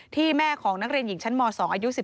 แม่ของนักเรียนหญิงชั้นม๒อายุ๑๓